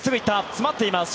詰まっています。